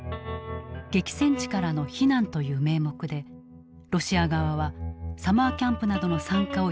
激戦地からの避難という名目でロシア側はサマーキャンプなどの参加を呼びかける。